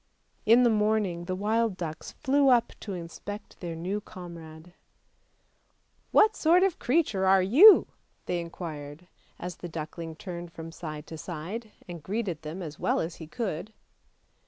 In the morning the wild ducks flew up to inspect their new comrade. THE UGLY DUCKLING 387 " What sort of a creature are you? " they inquired, as the duckling turned from side to side and greeted them as well as he could.